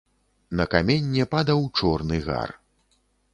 На каменне падаў чорны гар.